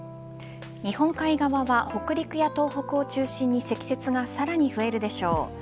日本海側は北陸や東北を中心に積雪がさらに増えるでしょう。